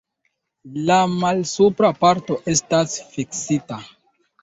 La malsupra parto estas fiksita.